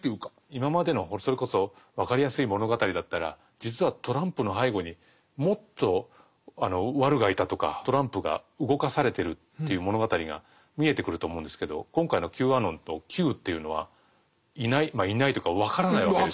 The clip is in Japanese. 今までのそれこそわかりやすい物語だったら実はトランプの背後にもっとワルがいたとかトランプが動かされてるという物語が見えてくると思うんですけど今回のＱアノンとＱというのはいないいないというかわからないわけですよね。